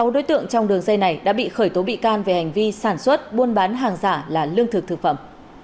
sáu đối tượng trong đường dây này đã bị khởi tố bị can về hành vi sản xuất buôn bán hàng giả là lương thực thực phẩm